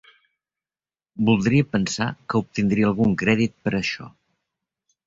Voldria pensar que obtindria algun crèdit per això.